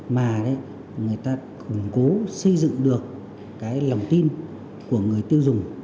mà người ta củng cố xây dựng được cái lòng tin của người tiêu dùng